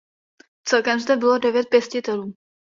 Celkem zde bylo devět pěstitelů.